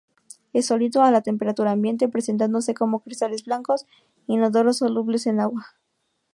Es sólido a la temperatura ambiente, presentándose como cristales blancos inodoros, solubles en agua.